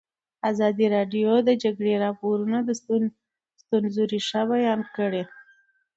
ازادي راډیو د د جګړې راپورونه د ستونزو رېښه بیان کړې.